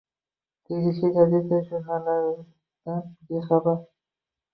Tegishli gazeta, jurnallardan bexabar.